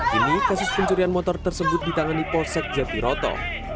kini kasus pencurian motor tersebut ditangani polsek jatiroto